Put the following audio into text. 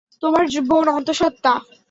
তোমার বোন অন্তঃসত্ত্বা।